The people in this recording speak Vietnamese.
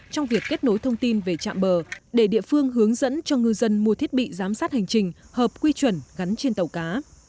trong việc kết nối thông tin về trạm bờ để địa phương hướng dẫn cho ngư dân mua thiết bị giám sát hành trình hợp quy chuẩn gắn trên tàu cá